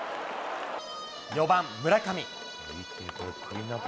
４番村上。